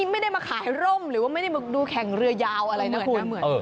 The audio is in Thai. ไม่ได้มาขายร่มหรือว่าไม่ได้มาดูแข่งเรือยาวอะไรนะคุณ